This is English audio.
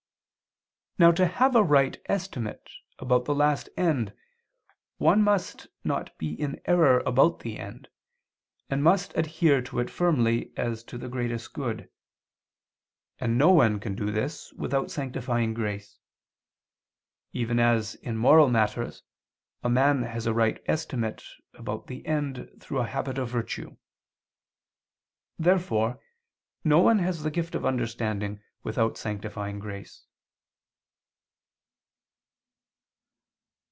Now to have a right estimate about the last end one must not be in error about the end, and must adhere to it firmly as to the greatest good: and no one can do this without sanctifying grace; even as in moral matters a man has a right estimate about the end through a habit of virtue. Therefore no one has the gift of understanding without sanctifying grace.